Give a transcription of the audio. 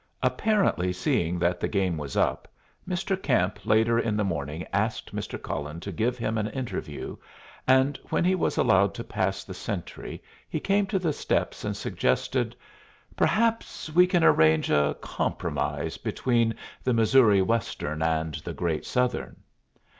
Apparently seeing that the game was up, Mr. Camp later in the morning asked Mr. Cullen to give him an interview, and when he was allowed to pass the sentry he came to the steps and suggested, "Perhaps we can arrange a compromise between the Missouri Western and the Great Southern?"